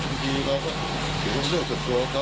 บางทีเราก็อยู่ตรงเรื่องส่วนตัวเขา